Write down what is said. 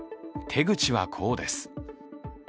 手口は、こうです。